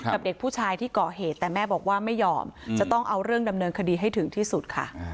เด็กผู้ชายที่ก่อเหตุแต่แม่บอกว่าไม่ยอมจะต้องเอาเรื่องดำเนินคดีให้ถึงที่สุดค่ะ